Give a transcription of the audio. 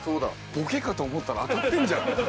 ボケかと思ったら当たってるじゃん。